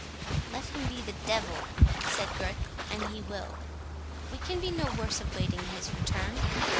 "Let him be the devil," said Gurth, "an he will. We can be no worse of waiting his return.